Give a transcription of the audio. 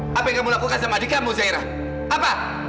apa yang kamu lakukan sama adik kamu zairah apa